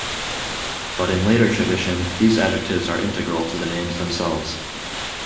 But in later tradition, these adjectives are integral to the names themselves.